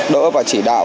đỡ và chỉ đạo